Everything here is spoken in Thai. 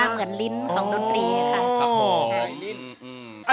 เหมือนลิ้นของดนตรีค่ะ